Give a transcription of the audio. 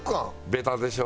ベタでしょ？